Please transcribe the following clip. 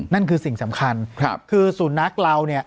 นั่นคือสิ่งสำคัญคือสุนัขเราเนี่ย